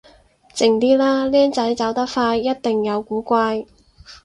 靜啲啦，僆仔走得快一定有古怪